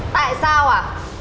tại sao à